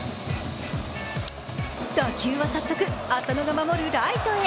打球は早速、浅野が守るライトへ。